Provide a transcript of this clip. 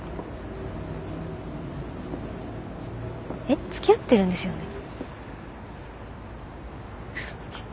えっつきあってるんですよね？